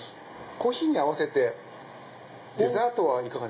コーヒーに合わせてデザートは？